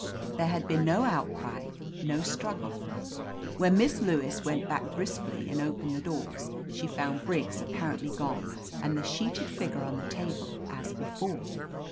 There had been no outcry, no struggle. When Miss Lewis went back briskly, and opened the doors, she found Briggs apparently gone, and the sheeted figure on the table as before.